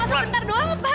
masa bentar doang pak